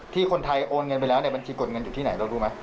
คนไทยโอนเงินไปแล้วในบัญชีกดเงินอยู่ที่ไหนเรารู้ไหม